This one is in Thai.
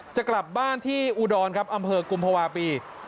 จะกลับบ้านที่อุดรครับอำเภอกุมภาวะปี